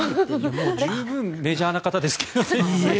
十分メジャーな方ですが。